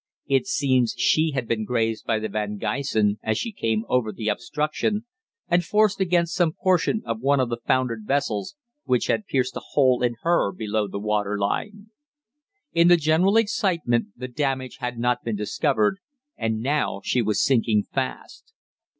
It seems she had been grazed by the 'Van Gysen' as she came over the obstruction, and forced against some portion of one of the foundered vessels, which had pierced a hole in her below the water line. "In the general excitement the damage had not been discovered, and now she was sinking fast.